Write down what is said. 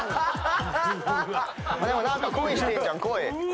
でも何か恋してるじゃん。